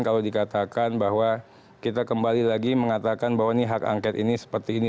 kalau dikatakan bahwa kita kembali lagi mengatakan bahwa ini hak angket ini seperti ini